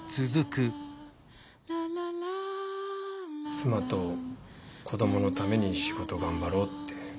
妻と子供のために仕事頑張ろうって。